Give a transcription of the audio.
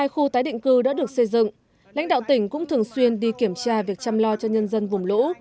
hai khu tái định cư đã được xây dựng lãnh đạo tỉnh cũng thường xuyên đi kiểm tra việc chăm lo cho nhân dân vùng lũ